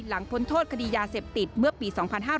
พ้นโทษคดียาเสพติดเมื่อปี๒๕๕๙